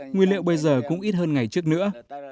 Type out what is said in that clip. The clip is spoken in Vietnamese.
nguyên liệu bây giờ cũng ít hơn ngày trước nữa